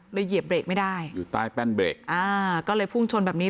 เหยียบเบรกไม่ได้อยู่ใต้แป้นเบรกอ่าก็เลยพุ่งชนแบบนี้